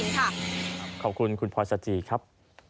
ขอบคุณคุณพลอยสจีครับ